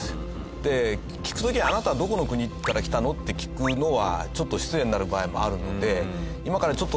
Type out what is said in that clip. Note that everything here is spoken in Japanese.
で聞く時「あなたはどこの国から来たの？」って聞くのはちょっと失礼になる場合もあるので「今からちょっと」